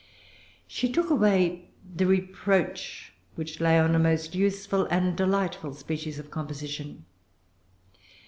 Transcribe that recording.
She took away the reproach which lay on a most useful and delightful species of composition.